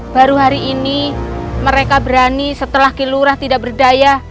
baru hari ini mereka berani setelah kilurah tidak berdaya